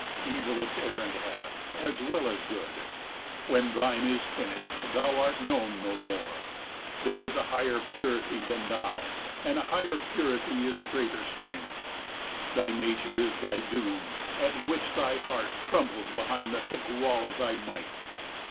Evil its errand hath, as well as Good; 75 When thine is finished, thou art known no more: There is a higher purity than thou, And higher purity is greater strength; Thy nature is thy doom, at which thy heart Trembles behind the thick wall of thy might.